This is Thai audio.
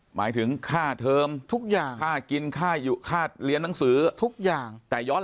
หมายถึงค่าเทิมค่ากินค่าเลี้ยงหนังสือทุกอย่าง